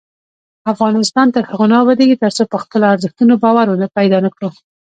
افغانستان تر هغو نه ابادیږي، ترڅو په خپلو ارزښتونو باور پیدا نکړو.